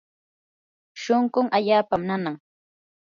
shunqun allaapam nanan.